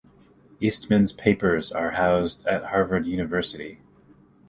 Eastman's papers are housed at Harvard University.